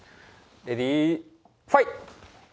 レディーファイト！